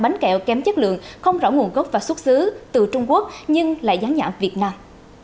bánh kẹo kém chất lượng không rõ nguồn gốc và xuất xứ từ trung quốc nhưng lại gián nhãn việt nam